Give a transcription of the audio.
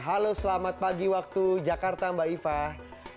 halo selamat pagi waktu jakarta mbak ifah